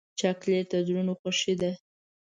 چاکلېټ د زړونو خوښي ده.